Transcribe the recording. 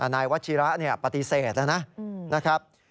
นายวัชิระเนี่ยปฏิเสธนะนะครับ